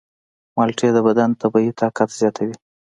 مالټې د بدن طبیعي طاقت زیاتوي.